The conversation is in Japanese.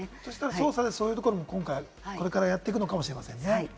捜査で今回、そういうところもやっていくのかもしれませんね。